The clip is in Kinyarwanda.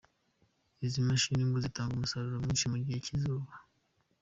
Izi mashini ngo zitanga umusaru mwinshi mu gihe cy’izuba.